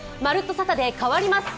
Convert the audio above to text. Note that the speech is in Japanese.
サタデー」変わります。